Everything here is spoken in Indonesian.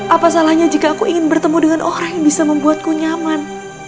apa salahnya jika aku ingin bertemu dengan orang yang bisa membuatku nyaman